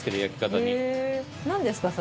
何ですか？